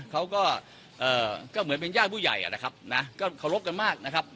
เขาก็เอ่อก็เหมือนเป็นญาติผู้ใหญ่นะครับนะก็เคารพกันมากนะครับ